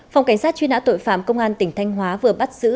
phòng cảnh sát truy nã tội phạm công an tỉnh thanh hóa vừa bắt giữ